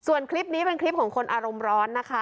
ส่วนคลิปนี้เป็นคลิปของคนอารมณ์ร้อนนะคะ